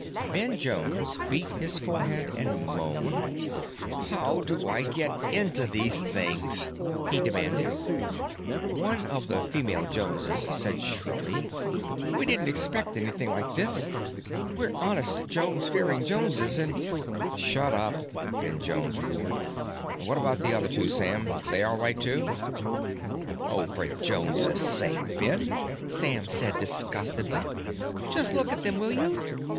Ben Jones beat his forehead and moaned. "How do I get into these things?" he demanded. One of the female Joneses said shrilly, "We didn't expect anything like this. We're honest Jones fearing Joneses and——" "Shut up!" Ben Jones roared. "What about the other two, Sam? They all right too?" "Oh, for Jones's sake, Ben," Sam said disgustedly, "just look at them, will you?